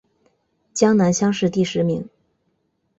浙江乡试第十名。